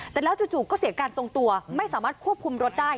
แต่แล้วจู่ก็เสียการทรงตัวไม่สามารถควบคุมรถได้